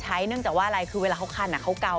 เนื่องจากว่าอะไรคือเวลาเขาคันเขาเกา